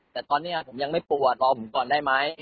แต่ตอนนี้ผมยังไม่ปวดรอผมก่อนได้ไหม